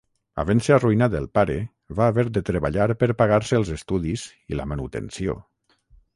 Havent-se arruïnat el pare, va haver de treballar per pagar-se els estudis i la manutenció.